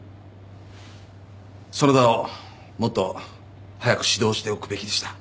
園田をもっと早く指導しておくべきでした。